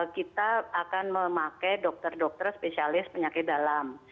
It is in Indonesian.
kita akan memakai dokter dokter spesialis penyakit dalam